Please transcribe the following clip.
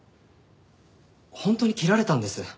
本当に切られたんです。